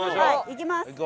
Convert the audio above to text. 行きます！